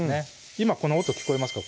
今この音聞こえますか？